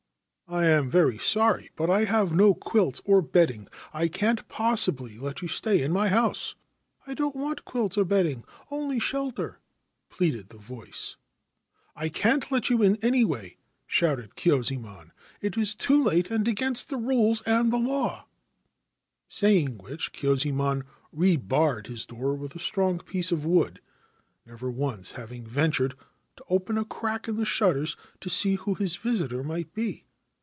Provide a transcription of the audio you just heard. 4 1 am very sorry ; but I have no quilts or bedding. I can't possibly let you stay in my house.' 4 1 don't want quilts or bedding, — only shelter,' pleaded the voice. 308 KYUZAEMON SEES THE ' YUKI ONNA ' SitV , The Snow Ghost ' I can't let you in, anyway/ shouted Kyuzaemon. ' It is too late and against the rules and the law/ Saying which, Kyuzaemon rebarred his door with a strong piece of wood, never once having ventured to open a crack in the shutters to see who his visitor might be.